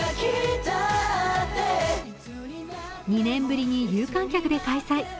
２年ぶりに有観客で開催。